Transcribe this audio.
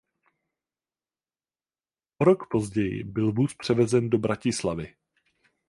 O rok později byl vůz převezen do Bratislavy.